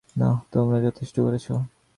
না, তোমরা যথেষ্ট করেছ।